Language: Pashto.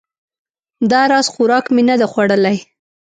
دا راز خوراک مې نه ده خوړلی